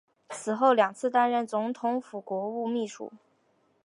此后两次担任总统府国务秘书。